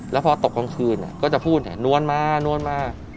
แล้วพอตกกลางคืนก็จะพูดนวลมานวลมา